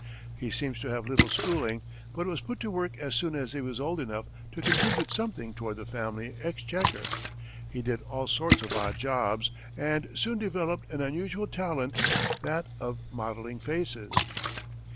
He seems to have had little schooling, but was put to work as soon as he was old enough to contribute something toward the family exchequer. He did all sorts of odd jobs, and soon developed an unusual talent, that of modelling faces.